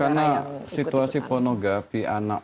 karena situasi pornografi anak